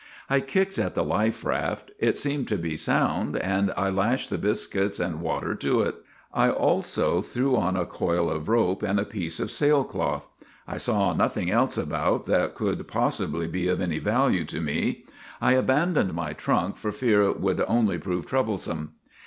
' I kicked at the life raft; it seemed to be sound, and I lashed the biscuits and water to it. I also threw on a coil of rope and a piece of sail cloth. I saw nothing else about that could possibly be of any GULLIVER THE GREAT 11 value to me. I abandoned my trunk for fear it would only prove troublesome.